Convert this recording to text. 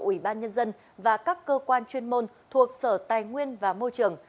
ủy ban nhân dân và các cơ quan chuyên môn thuộc sở tài nguyên và môi trường